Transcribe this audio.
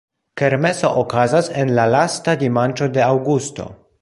Kermeso okazas en la lasta dimanĉo de aŭgusto.